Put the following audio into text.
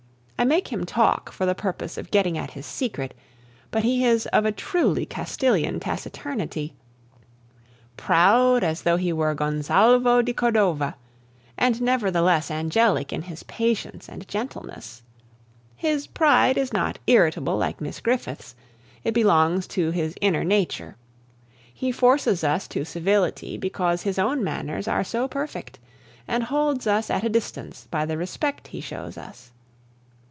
I make him talk for the purpose of getting at his secret; but he is of a truly Castilian taciturnity, proud as though he were Gonsalvo di Cordova, and nevertheless angelic in his patience and gentleness. His pride is not irritable like Miss Griffith's, it belongs to his inner nature; he forces us to civility because his own manners are so perfect, and holds us at a distance by the respect he shows us.